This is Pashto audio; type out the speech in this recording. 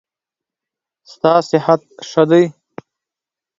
ستا صحت ښه دی؟